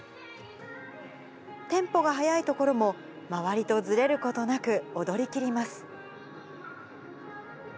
テンポが速いところも周りとずれることなく、踊りきります。